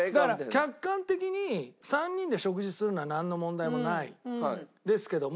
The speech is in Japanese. だから客観的に３人で食事するのはなんの問題もないんですけども。